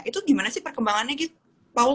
itu gimana sih perkembangannya gitu paul